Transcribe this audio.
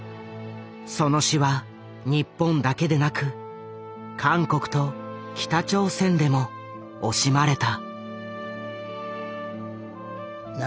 その死は日本だけでなく韓国と北朝鮮でも惜しまれた。